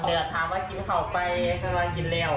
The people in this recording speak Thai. แต่ละถามว่ากินขาวไปชักมากินแล็ว